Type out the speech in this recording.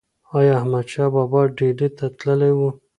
ایا احمدشاه بابا ډیلي ته تللی و؟